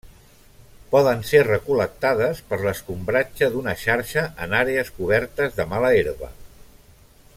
Poden ser recol·lectades per l'escombratge d'una xarxa en àrees cobertes de mala herba.